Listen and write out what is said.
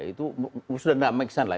itu sudah tidak make sense lah